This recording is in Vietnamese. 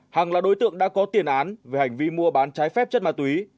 hằng là đối tượng đã có tiền án về hành vi mua bán trái phép chất ma túy